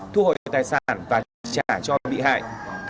thu hồi tài sản và trả cho bị hại